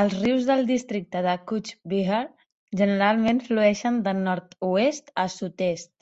Els rius del districte de Cooch Behar generalment flueixen de nord-oest a sud-est.